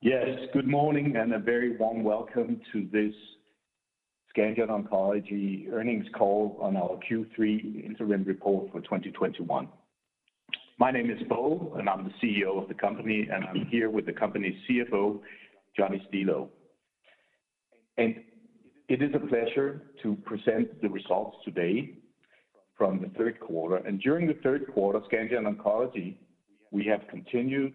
Yes, good morning and a very warm welcome to this Scandion Oncology earnings call on our Q3 interim report for 2021. My name is Bo, and I'm the CEO of the company, and I'm here with the company's CFO, Johnny Stilou. It is a pleasure to present the results today from the third quarter. During the third quarter at Scandion Oncology, we have continued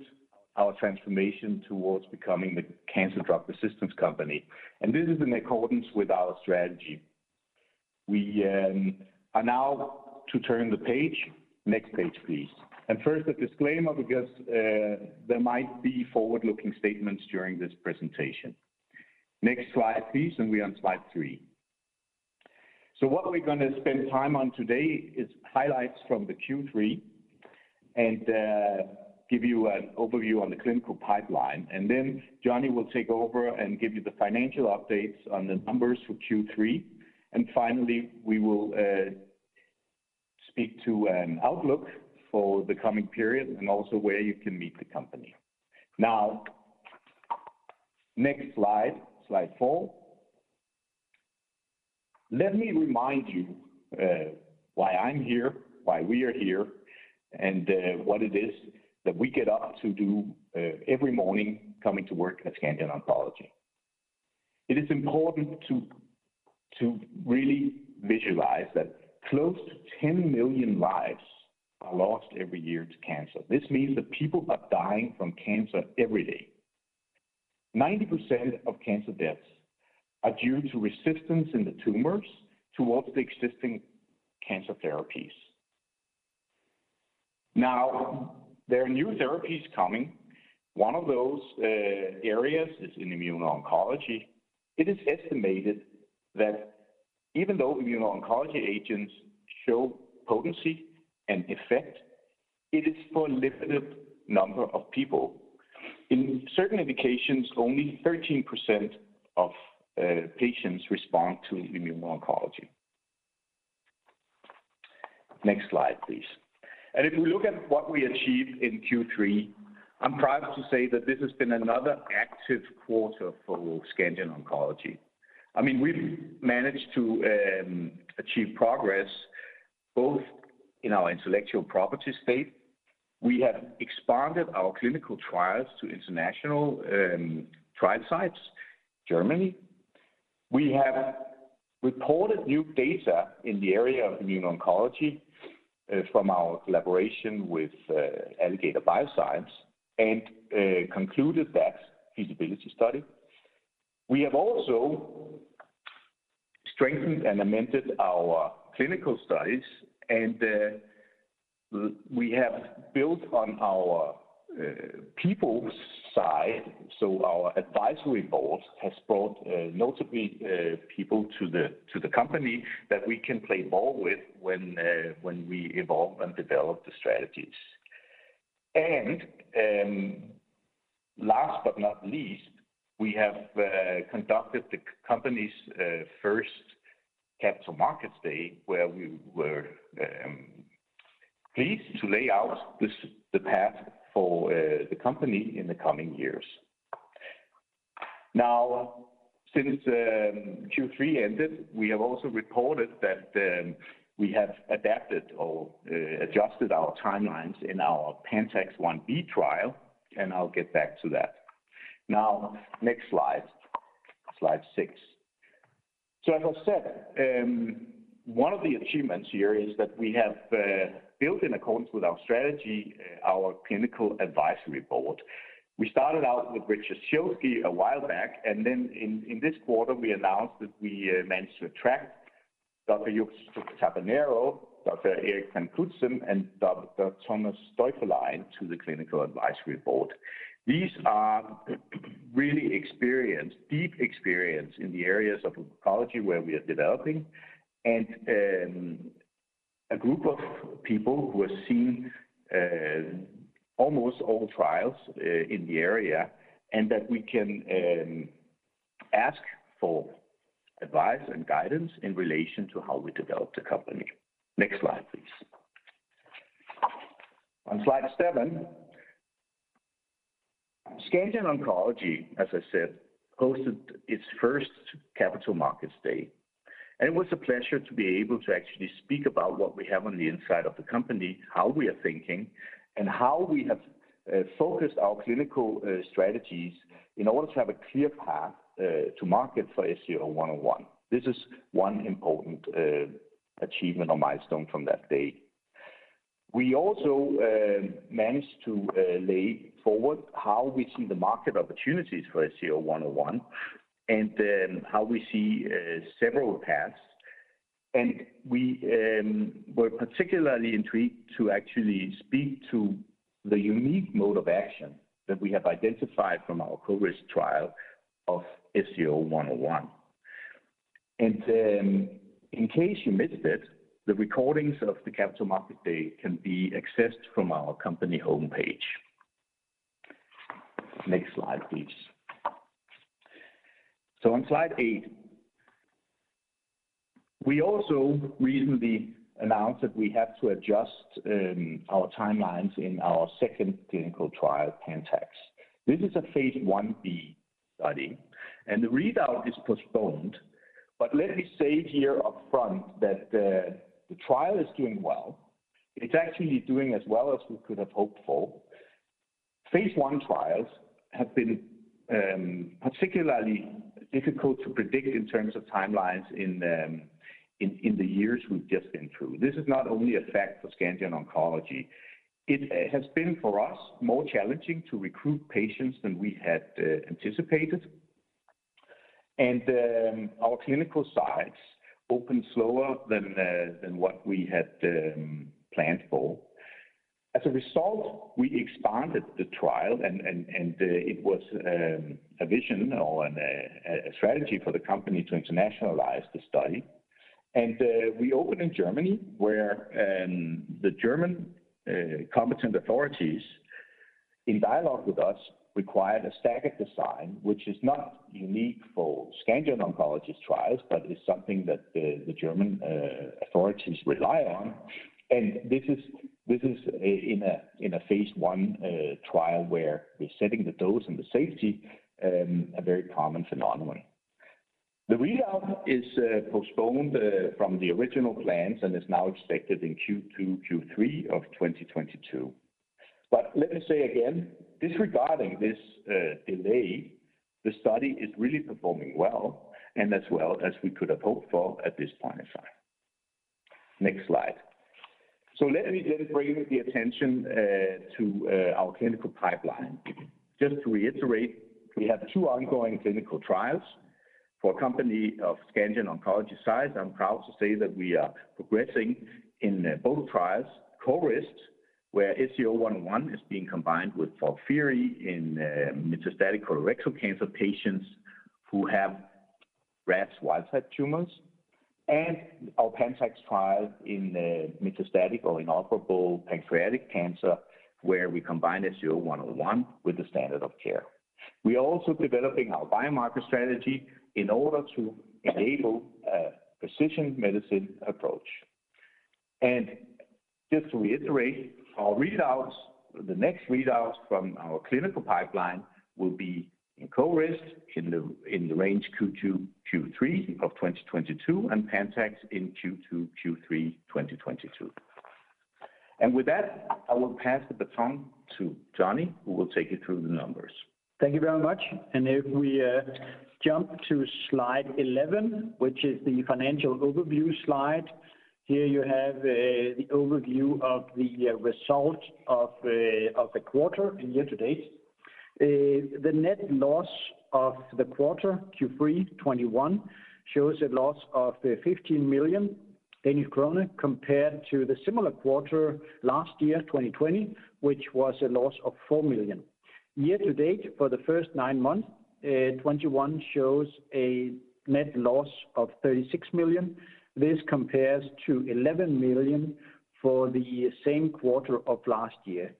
our transformation towards becoming the cancer drug resistance company. This is in accordance with our strategy. We are now to turn the page. Next page, please. First, a disclaimer because there might be forward-looking statements during this presentation. Next slide, please. We're on slide three. What we're gonna spend time on today is highlights from the Q3 and give you an overview on the clinical pipeline. Johnny will take over and give you the financial updates on the numbers for Q3. Finally, we will speak to an outlook for the coming period and also where you can meet the company. Now, next slide. Slide four. Let me remind you why I'm here, why we are here, and what it is that we get up to do every morning coming to work at Scandion Oncology. It is important to really visualize that close to 10 million lives are lost every year to cancer. This means that people are dying from cancer every day. 90% of cancer deaths are due to resistance in the tumors towards the existing cancer therapies. Now, there are new therapies coming. One of those areas is in immuno-oncology. It is estimated that even though immuno-oncology agents show potency and effect, it is for a limited number of people. In certain indications, only 13% of patients respond to immuno-oncology. Next slide, please. If we look at what we achieved in Q3, I'm proud to say that this has been another active quarter for Scandion Oncology. I mean, we've managed to achieve progress both in our intellectual property space. We have expanded our clinical trials to international trial sites, Germany. We have reported new data in the area of immuno-oncology from our collaboration with Alligator Bioscience and concluded that feasibility study. We have also strengthened and amended our clinical studies, and we have built on our people side. Our advisory board has brought, notably, people to the company that we can play ball with when we evolve and develop the strategies. Last but not least, we have conducted the company's first Capital Markets Day, where we were pleased to lay out the path for the company in the coming years. Now, since Q3 ended, we have also reported that we have adapted or adjusted our timelines in our PANTAX phase Ib trial, and I'll get back to that. Now, next slide. Slide six. As I said, one of the achievements here is that we have built in accordance with our strategy, our clinical advisory board. We started out with Richard Schilsky a while back, and then in this quarter, we announced that we managed to attract Dr. Josep Tabernero, Dr. Eric Van Cutsem, and Dr. Thomas Seufferlein to the clinical advisory board. These are really experienced, deeply experienced in the areas of oncology where we are developing and a group of people who have seen almost all trials in the area and that we can ask for advice and guidance in relation to how we develop the company. Next slide, please. On slide seven, Scandion Oncology, as I said, hosted its first Capital Markets Day, and it was a pleasure to be able to actually speak about what we have on the inside of the company, how we are thinking, and how we have focused our clinical strategies in order to have a clear path to market for SCO-101. This is one important achievement or milestone from that day. We also managed to lay forward how we see the market opportunities for SCO-101 and how we see several paths. We were particularly intrigued to actually speak to the unique mode of action that we have identified from our CORIST trial of SCO-101. In case you missed it, the recordings of the Capital Markets Day can be accessed from our company homepage. Next slide, please. On slide eight, we also recently announced that we have to adjust our timelines in our second clinical trial, PANTAX. This is a phase Ib study, and the readout is postponed. Let me say here up front that the trial is doing well. It's actually doing as well as we could have hoped for. Phase I trials have been particularly difficult to predict in terms of timelines in the years we've just been through. This is not only a fact for Scandion Oncology. It has been, for us, more challenging to recruit patients than we had anticipated. Our clinical sites opened slower than what we had planned for. As a result, we expanded the trial and it was a strategy for the company to internationalize the study. We opened in Germany, where the German competent authorities, in dialogue with us, required a staggered design, which is not unique for Scandion Oncology's trials but is something that the German authorities rely on. This is in a phase I trial where we're setting the dose and the safety, a very common phenomenon. The readout is postponed from the original plans and is now expected in Q2, Q3 of 2022. Let me say again, disregarding this delay, the study is really performing well and as well as we could have hoped for at this point in time. Next slide. Let me then bring the attention to our clinical pipeline. Just to reiterate, we have two ongoing clinical trials. For a company of Scandion Oncology's size, I'm proud to say that we are progressing in both trials, CORIST, where SCO-101 is being combined with FOLFIRI in metastatic colorectal cancer patients who have RAS wild-type tumors, and our PANTAX trial in metastatic or inoperable pancreatic cancer, where we combine SCO-101 with the standard of care. We are also developing our biomarker strategy in order to enable a precision medicine approach. Just to reiterate, our readouts, the next readouts from our clinical pipeline will be in CORIST in the range Q2-Q3 2022, and PANTAX in Q2-Q3 2022. With that, I will pass the baton to Johnny, who will take you through the numbers. Thank you very much. If we jump to slide 11, which is the financial overview slide. Here you have the overview of the result of the quarter and year to date. The net loss of the quarter, Q3 2021, shows a loss of 15 million Danish krone compared to the similar quarter last year, 2020, which was a loss of 4 million. Year to date, for the first nine months, 2021 shows a net loss of 36 million. This compares to 11 million for the same quarter of last year.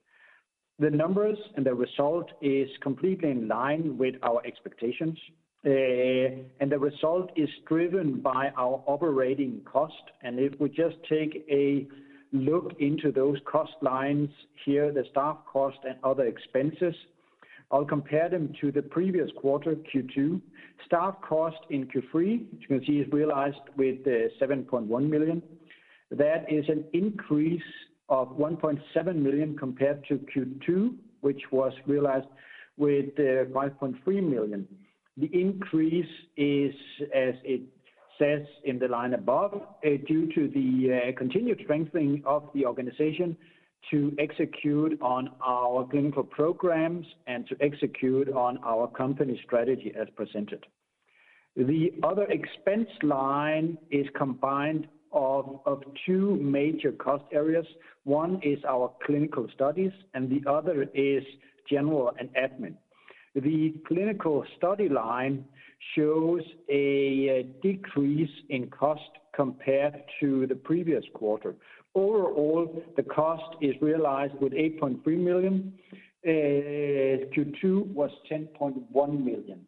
The numbers and the result is completely in line with our expectations. The result is driven by our operating cost. If we just take a look into those cost lines here, the staff cost and other expenses, I'll compare them to the previous quarter, Q2. Staff cost in Q3, which you can see is realized with 7.1 million. That is an increase of 1.7 million compared to Q2, which was realized with 5.3 million. The increase is, as it says in the line above, due to the continued strengthening of the organization to execute on our clinical programs and to execute on our company strategy as presented. The other expense line is combined of two major cost areas. One is our clinical studies and the other is general and admin. The clinical study line shows a decrease in cost compared to the previous quarter. Overall, the cost is realized with 8.3 million. Q2 was 10.1 million.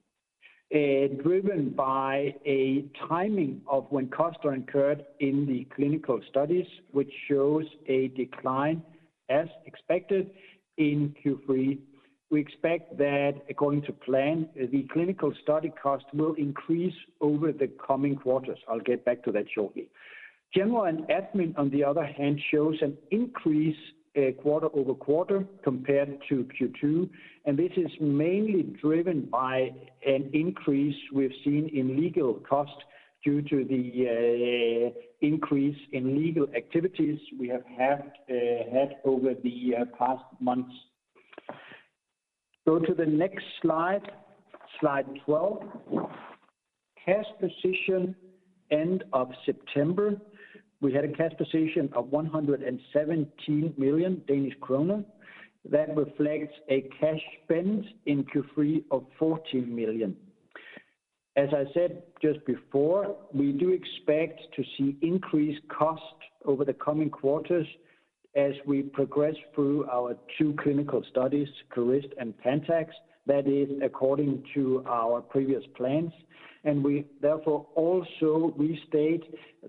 Driven by a timing of when costs are incurred in the clinical studies, which shows a decline as expected in Q3. We expect that according to plan, the clinical study cost will increase over the coming quarters. I'll get back to that shortly. General and admin, on the other hand, shows an increase quarter-over-quarter compared to Q2, and this is mainly driven by an increase we've seen in legal costs due to the increase in legal activities we have had over the past months. Go to the next slide 12. Cash position at end of September, we had a cash position of 117 million Danish kroner. That reflects a cash spend in Q3 of 14 million. As I said just before, we do expect to see increased costs over the coming quarters. As we progress through our two clinical studies, CORIST and PANTAX, that is according to our previous plans. We therefore also restate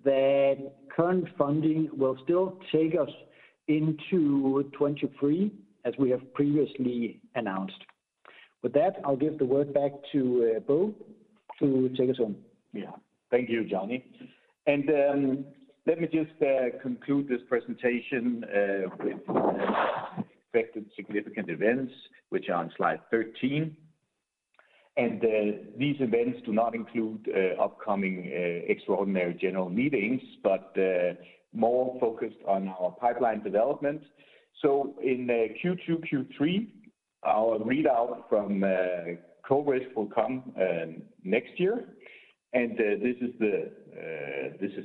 that current funding will still take us into 2023 as we have previously announced. With that, I'll give the word back to Bo to take us home. Yeah. Thank you, Johnny. Let me just conclude this presentation with expected significant events, which are on slide 13. These events do not include upcoming extraordinary general meetings, but more focused on our pipeline development. In Q2, Q3, our readout from CORIST will come next year. This is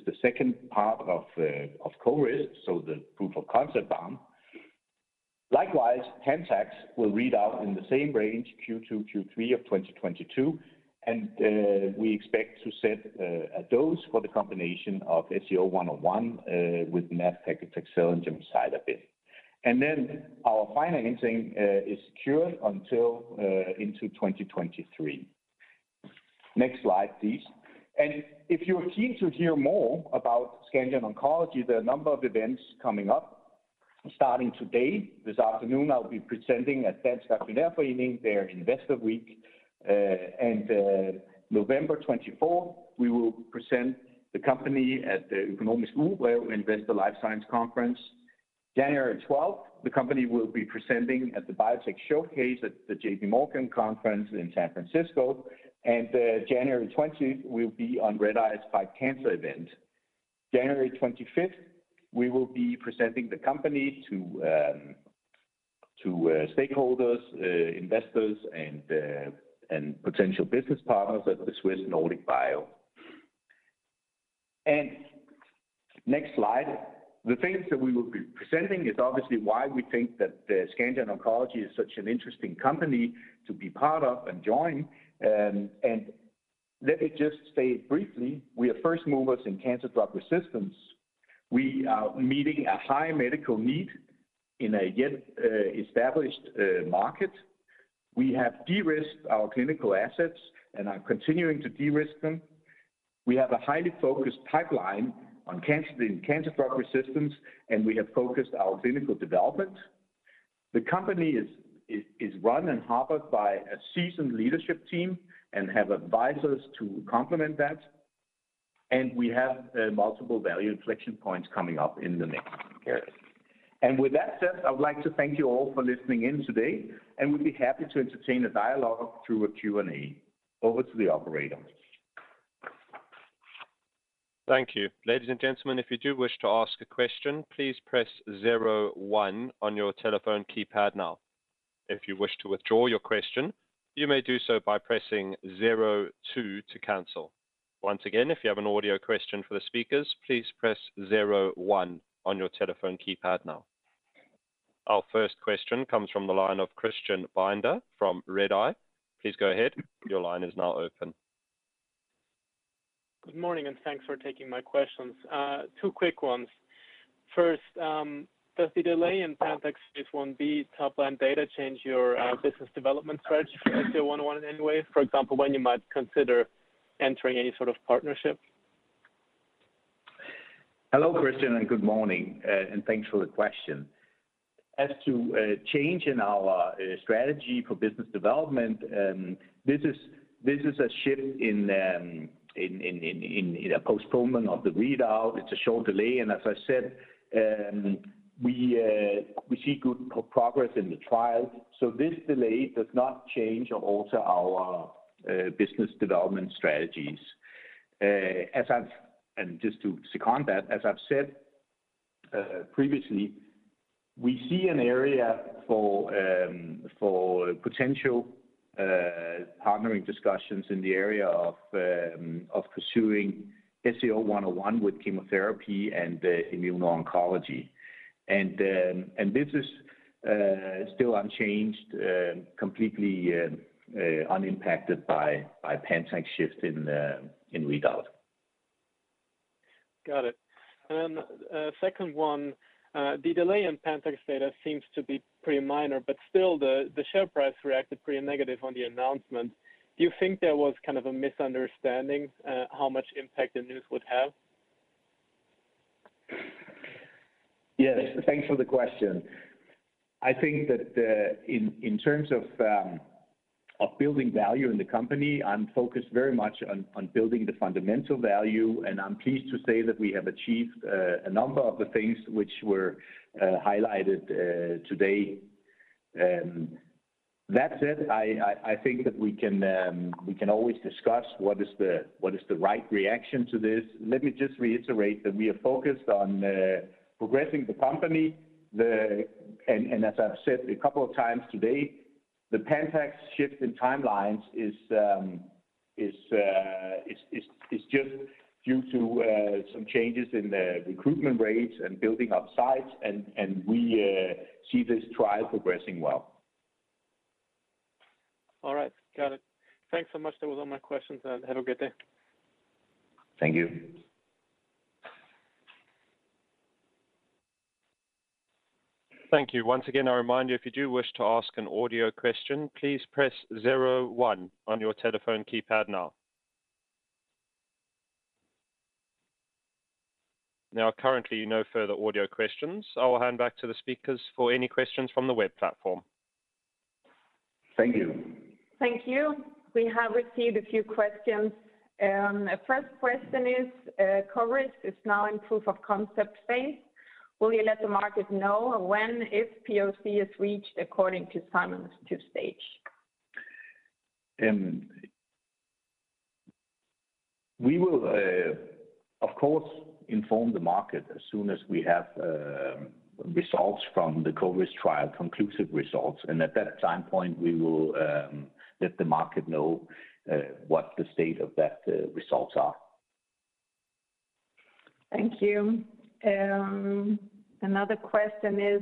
the second part of CORIST, so the proof of concept arm. Likewise, PANTAX will read out in the same range, Q2, Q3 of 2022, and we expect to set a dose for the combination of SCO-101 with nab-paclitaxel and gemcitabine. Our financing is secured until into 2023. Next slide, please. If you're keen to hear more about Scandion Oncology, there are a number of events coming up. Starting today, this afternoon, I'll be presenting at Dansk Aktionærforening, their Investor Week. November 24th, we will present the company at the Copenhagen School of Economics Investor Life Science Conference. January 12th, the company will be presenting at the Biotech Showcase at the JP Morgan Conference in San Francisco. January 20th, we'll be on Redeye's Fight Cancer event. January 25th, we will be presenting the company to stakeholders, investors, and potential business partners at the Swiss Nordic Bio. Next slide. The things that we will be presenting is obviously why we think that Scandion Oncology is such an interesting company to be part of and join. Let me just say briefly, we are first movers in cancer drug resistance. We are meeting a high medical need in a yet established market. We have de-risked our clinical assets and are continuing to de-risk them. We have a highly focused pipeline in cancer drug resistance, and we have focused our clinical development. The company is run and harbored by a seasoned leadership team and have advisors to complement that. We have multiple value inflection points coming up in the next period. With that said, I would like to thank you all for listening in today, and we'll be happy to entertain a dialogue through a Q&A. Over to the operator. Thank you ladies and gentlemen if you do wish to ask a question please press zero one on your telephone keypad now. If you wish to withdraw your question you may do so by pressing zero two to cancel. Once again if you have an audio question for speakers please press zero one on your telephone keypad now. Our first question comes from the line of Christian Binder from Redeye. Please go ahead. Your line is now open. Good morning, and thanks for taking my questions. Two quick ones. First, does the delay in PANTAX phase Ib top-line data change your business development strategy for SCO-101 in any way? For example, when you might consider entering any sort of partnership? Hello, Christian, and good morning, and thanks for the question. As to a change in our strategy for business development, this is a shift in a postponement of the readout. It's a short delay. As I said, we see good progress in the trial. This delay does not change or alter our business development strategies. Just to second that, as I've said previously, we see an area for potential partnering discussions in the area of pursuing SCO-101 with chemotherapy and immuno-oncology. This is still unchanged, completely unimpacted by PANTAX shift in readout. Got it. Second one, the delay in PANTAX data seems to be pretty minor, but still the share price reacted pretty negative on the announcement. Do you think there was kind of a misunderstanding, how much impact the news would have? Yes. Thanks for the question. I think that in terms of building value in the company, I'm focused very much on building the fundamental value, and I'm pleased to say that we have achieved a number of the things which were highlighted today. That said, I think that we can always discuss what is the right reaction to this. Let me just reiterate that we are focused on progressing the company. As I've said a couple of times today, the PANTAX shift in timelines is just due to some changes in the recruitment rates and building up sites, and we see this trial progressing well. All right. Got it. Thanks so much. That was all my questions. Have a good day. Thank you. Thank you. Once again, I remind you, if you do wish to ask an audio question, please press zero one on your telephone keypad now. There are currently no further audio questions. I will hand back to the speakers for any questions from the web platform. Thank you. Thank you. We have received a few questions. First question is, CORIST is now in proof of concept phase. Will you let the market know when, if POC is reached according to Simon's two-stage design? We will, of course, inform the market as soon as we have results from the CORIST trial, conclusive results, and at that time point, we will let the market know what the state of that results are. Thank you. Another question is,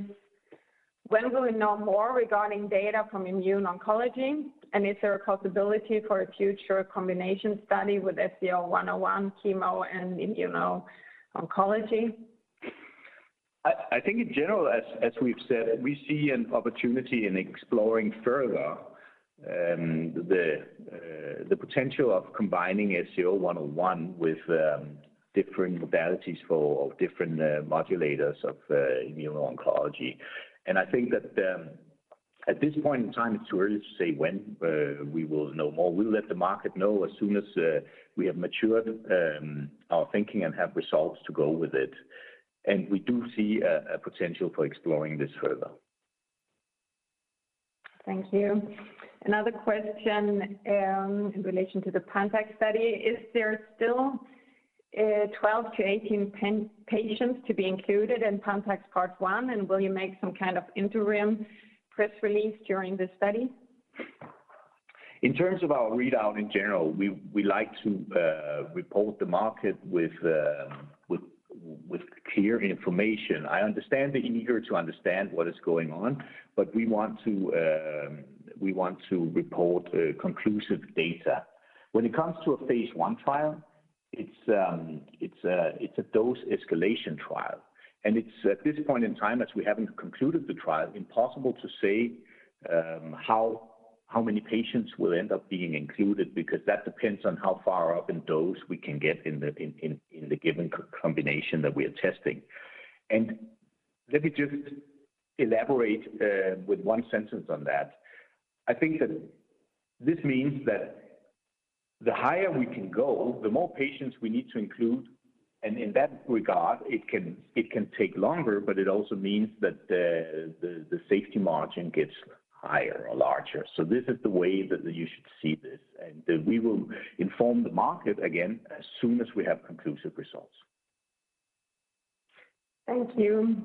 when will we know more regarding data from immuno-oncology, and is there a possibility for a future combination study with SCO-101 chemo and immuno-oncology? I think in general, as we've said, we see an opportunity in exploring further, the potential of combining SCO-101 with different modalities for different modulators of immuno-oncology. I think that at this point in time, it's too early to say when we will know more. We'll let the market know as soon as we have matured our thinking and have results to go with it. We do see a potential for exploring this further. Thank you. Another question in relation to the PANTAX study. Is there still 12-18 patients to be included in PANTAX part one, and will you make some kind of interim press release during the study? In terms of our readout in general, we like to report the market with clear information. I understand the eagerness to understand what is going on, but we want to report conclusive data. When it comes to a phase I trial, it's a dose escalation trial. It's, at this point in time, as we haven't concluded the trial, impossible to say how many patients will end up being included because that depends on how far up in dose we can get in the given combination that we are testing. Let me just elaborate with one sentence on that. I think that this means that the higher we can go, the more patients we need to include. In that regard, it can take longer, but it also means that the safety margin gets higher or larger. This is the way that you should see this. We will inform the market again as soon as we have conclusive results. Thank you.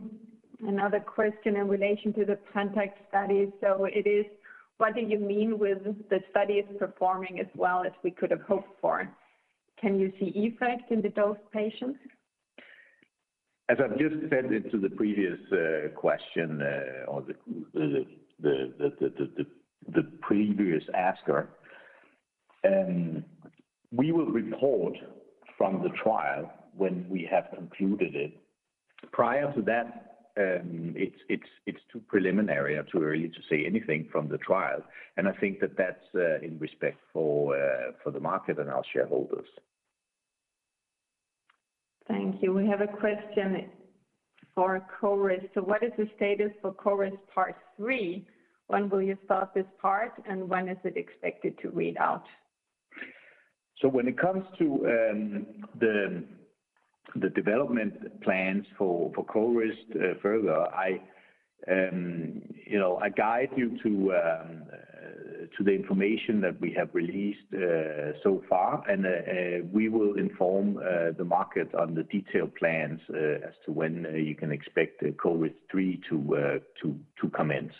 Another question in relation to the PANTAX study. It is, what do you mean with the study is performing as well as we could have hoped for? Can you see effect in the dosed patients? As I've just said it to the previous question or the previous asker, we will report from the trial when we have concluded it. Prior to that, it's too preliminary or too early to say anything from the trial, and I think that that's in respect for the market and our shareholders. Thank you. We have a question for CORIST. What is the status for CORIST part three? When will you start this part, and when is it expected to read out? When it comes to the development plans for CORIST further, you know, I guide you to the information that we have released so far, and we will inform the market on the detailed plans as to when you can expect CORIST 3 to commence.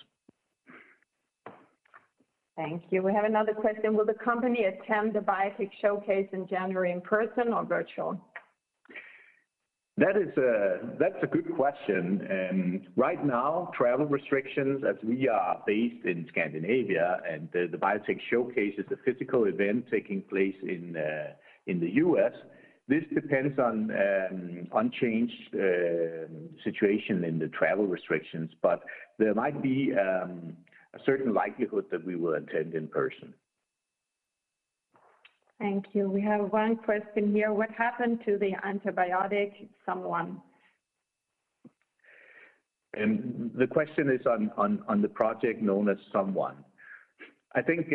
Thank you. We have another question. Will the company attend the Biotech Showcase in January in person or virtual? That's a good question. Right now, travel restrictions, as we are based in Scandinavia, and the Biotech Showcase is a physical event taking place in the U.S., this depends on unchanged situation in the travel restrictions. There might be a certain likelihood that we will attend in person. Thank you. We have one question here. What happened to the antibiotic SOM-001? The question is on the project known as SOM-001. I think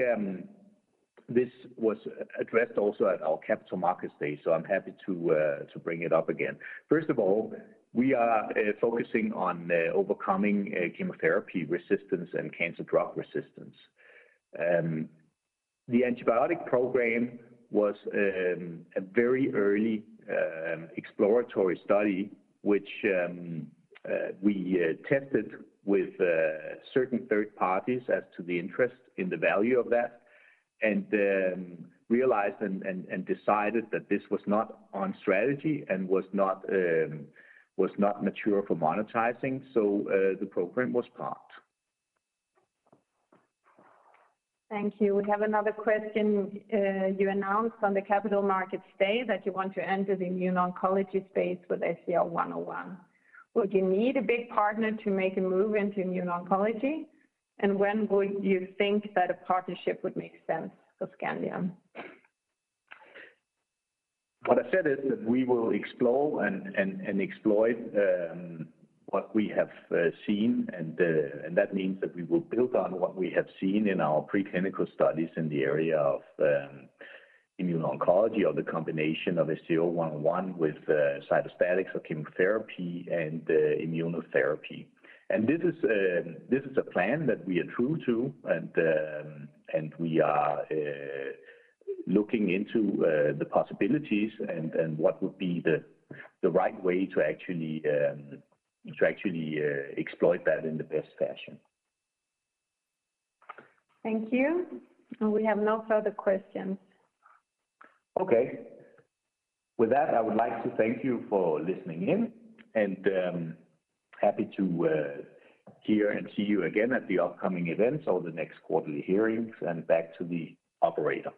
this was addressed also at our Capital Markets Day, so I'm happy to bring it up again. First of all, we are focusing on overcoming chemotherapy resistance and cancer drug resistance. The antibiotic program was a very early exploratory study, which we tested with certain third parties as to the interest in the value of that and realized and decided that this was not on strategy and was not mature for monetizing. The program was parked. Thank you. We have another question. You announced on the Capital Markets Day that you want to enter the immuno-oncology space with SCO-101. Would you need a big partner to make a move into immuno-oncology? And when would you think that a partnership would make sense for Scandion? What I said is that we will explore and exploit what we have seen. That means that we will build on what we have seen in our preclinical studies in the area of immuno-oncology or the combination of SCO-101 with cytostatics or chemotherapy and immunotherapy. This is a plan that we are true to, and we are looking into the possibilities and what would be the right way to actually exploit that in the best fashion. Thank you. We have no further questions. Okay. With that, I would like to thank you for listening in, and happy to hear and see you again at the upcoming events or the next quarterly hearings. Back to the operator.